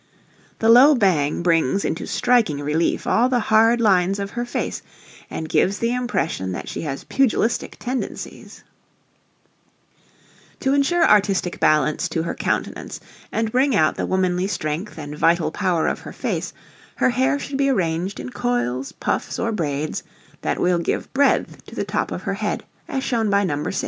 The low bang brings into striking relief all the hard lines of her face and gives the impression that she has pugilistic tendencies. [Illustration: NO. 5] To insure artistic balance to her countenance, and bring out the womanly strength and vital power of her face, her hair should be arranged in coils, puffs, or braids that will give breadth to the top of her head as shown by No. 6.